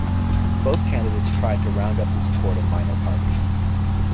Both candidates tried to round up the support of minor parties.